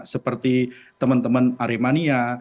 seperti teman teman arimania